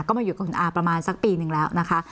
ก็มาอยู่กับคุณอาประมาณสักปีหนึ่งแล้วนะคะ